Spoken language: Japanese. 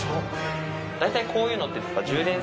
大体こういうのって。